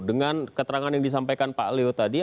dengan keterangan yang disampaikan pak leo tadi